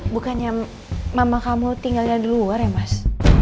bukannya mama kamu tinggalnya di luar ya mas